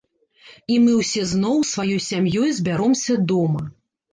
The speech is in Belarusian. І мы ўсе зноў сваёй сям'ёй збяромся дома.